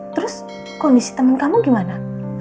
terus kondisi teman kamu gimana